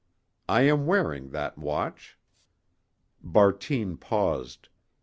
I am wearing that watch." Bartine paused.